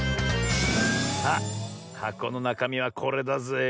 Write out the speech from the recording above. さあはこのなかみはこれだぜえ。